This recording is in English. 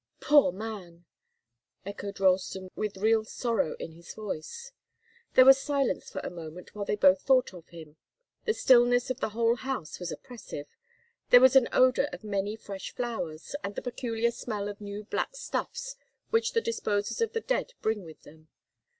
"Poor man!" echoed Ralston, with real sorrow in his voice. There was silence for a moment while they both thought of him. The stillness of the whole house was oppressive. There was an odour of many fresh flowers, and the peculiar smell of new black stuffs which the disposers of the dead bring with them.